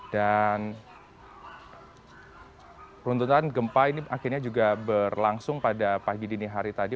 dan peruntungan gempa ini akhirnya juga berlangsung pada pagi dini hari tadi